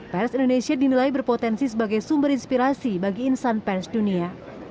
pers indonesia dinilai berpotensi sebagai sumber inspirasi bagi insan pers dunia